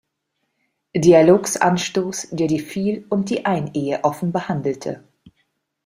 Dialogs Anstoss, der die Viel- und die Einehe offen behandelte.